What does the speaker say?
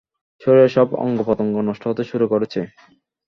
শরীরের সব অঙ্গপ্রত্যঙ্গ নষ্ট হতে শুরু করেছে।